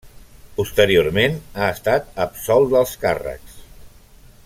Posteriorment ha estat absolt dels càrrecs.